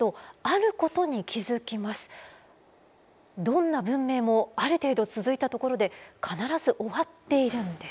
どんな文明もある程度続いたところで必ず終わっているんです。